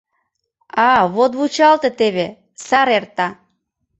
— А вот вучалте теве, сар эрта...